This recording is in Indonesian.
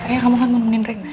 eh kamu kan mau nemenin rena